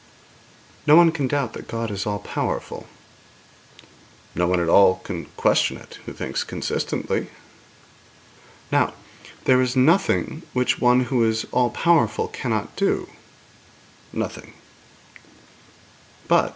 'No one can doubt that God is all powerful.' 'No one at all can question it who thinks consistently.' 'Now, there is nothing which One who is all powerful cannot do.' 'Nothing.'